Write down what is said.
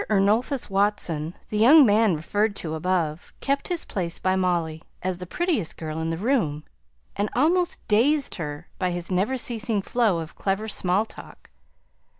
Ernulphus Watson, the young man referred to above, kept his place by Molly, as the prettiest girl in the room, and almost dazed her by his never ceasing flow of clever small talk.